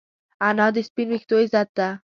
انا د سپین ویښتو عزت ده